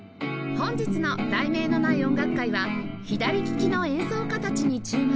本日の『題名のない音楽会』は左ききの演奏家たちに注目！